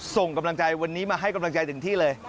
ส่งกำลังใจวันนี้มาให้กำลังใจถึงที่เลย